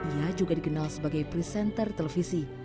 ia juga dikenal sebagai presenter televisi